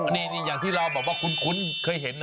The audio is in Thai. นี่อย่างที่เราแบบว่าคุ้นเคยเห็นนะ